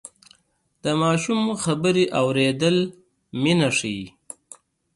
د ماشوم خبرې اورېدل مینه ښيي.